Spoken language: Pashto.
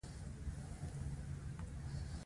شتمن خلک د حلال روزي پلویان وي.